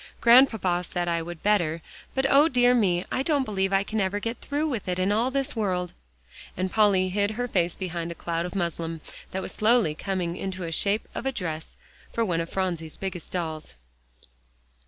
"Grandpapa said I would better, but O dear me, I don't believe I can ever get through with it in all this world," and Polly hid her face behind a cloud of muslin that was slowly coming into shape as a dress for one of Phronsie's biggest dolls.